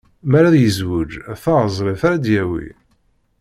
Mi ara yezweǧ, d taɛezrit ara d-yawi.